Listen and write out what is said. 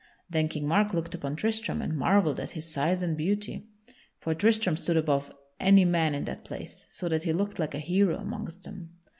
Then King Mark looked upon Tristram, and marvelled at his size and beauty; for Tristram stood above any man in that place, so that he looked like a hero amongst them.